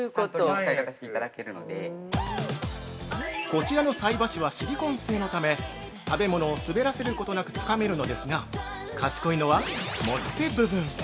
◆こちらの菜箸はシリコン製のため食べ物を滑らせることなくつかむことができるんですが賢いのは持ち手部分。